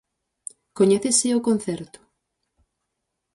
¿Coñécese o concerto?